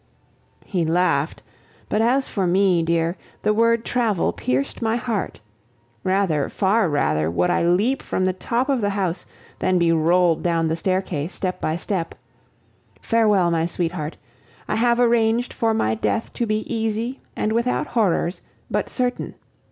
He laughed; but as for me, dear, the word "travel" pierced my heart. Rather, far rather, would I leap from the top of the house than be rolled down the staircase, step by step. Farewell, my sweetheart. I have arranged for my death to be easy and without horrors, but certain.